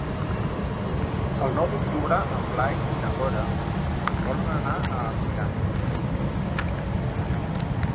El nou d'octubre en Blai i na Cora volen anar a Agullana.